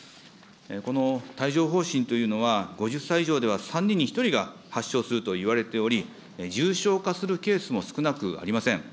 この帯状ほう疹というのは、５０歳以上では３人に１人が発症するといわれており、重症化するケースも少なくありません。